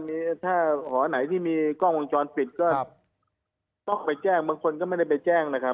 มีถ้าหอไหนที่มีกล้องวงจรปิดก็ต้องไปแจ้งบางคนก็ไม่ได้ไปแจ้งนะครับ